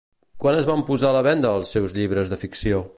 Quan es van posar a la venda els seus llibres de ficció?